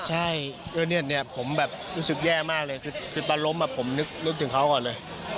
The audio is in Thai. ใช่เนี่ยผมแบบรู้สึกแย่มากเลยคือตอนล้มผมนึกถึงเขาก่อนเลย